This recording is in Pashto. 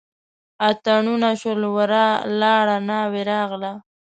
اتڼونه شول ورا لاړه ناوې راغله.